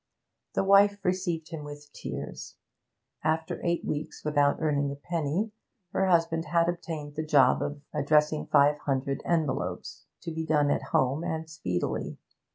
The wife received him with tears. After eight weeks without earning a penny, her husband had obtained the job of addressing five hundred envelopes, to be done at home and speedily.